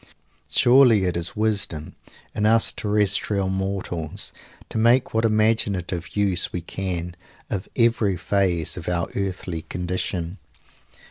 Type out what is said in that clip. Surely it is wisdom, in us terrestrial mortals, to make what imaginative use we can of every phase of our earthly condition?